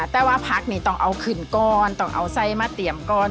แต่ว่าผักนี่ต้องเอาขึ้นก่อนต้องเอาไส้มาเตรียมก่อน